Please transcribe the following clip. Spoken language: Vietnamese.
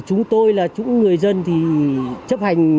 chúng tôi là chúng người dân thì chấp hành